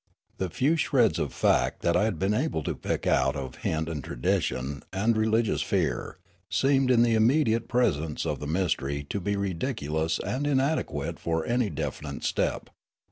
The few shreds of fact, that I had been able to pick out of hint and tradition and religious fear, seemed in the immediate presence of the mystery to be ridiculous and inadequate for any definite step.